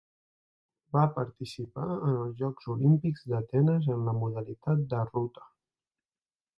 Va participar en els Jocs Olímpics d'Atenes en la modalitat de ruta.